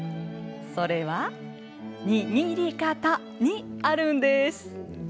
それは、握り方にあるんです。